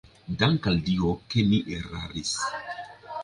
Dank' al Dio, ke mi eraris!